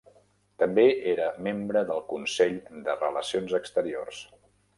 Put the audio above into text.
També era membre del Consell de Relacions Exteriors.